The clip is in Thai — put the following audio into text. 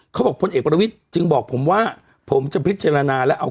เขาบอกพลเอกปรวิทค์จึงบอกผมว่าผมจะพริกเจรนาแล้ว